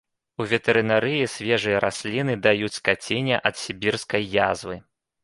У ветэрынарыі свежыя расліны даюць скаціне ад сібірскай язвы.